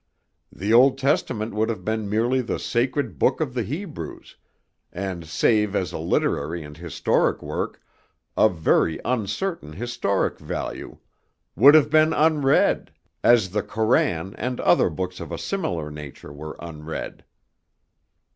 The Old Testament would have been merely the sacred book of the Hebrews, and save as a literary and historic work, of very uncertain historic value, would have been unread, as the Koran and other books of a similar nature were unread."